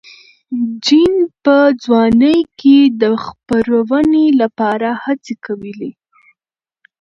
جین په ځوانۍ کې د خپرونې لپاره هڅې کولې.